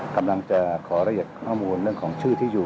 กำลังจะขอละเอียดข้อมูลเรื่องของชื่อที่อยู่